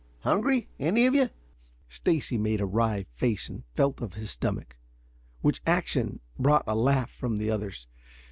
Hungry, any of you?" Stacy made a wry face and felt of his stomach, which action brought a laugh from the others.